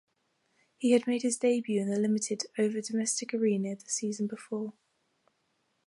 He had made his debut in the limited over domestic arena the season before.